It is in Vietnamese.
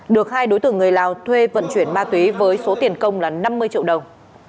được hai đối tượng người lào thuê vận chuyển ma túy với số tiền công là năm mươi triệu đồng